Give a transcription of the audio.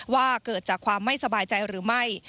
ว่าเกิดจากความไม่สบายใจหรือไม่